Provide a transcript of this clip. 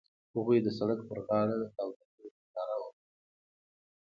هغوی د سړک پر غاړه د تاوده خوب ننداره وکړه.